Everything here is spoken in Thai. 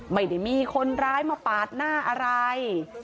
ไม่ได้มีคนร้ายมาปาดหน้าอะไร